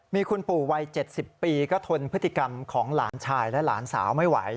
มีคุณปู่วัย๗๐ปีก็ทนพฤติกรรมของหลานชายและหลานสาวไม่ไหว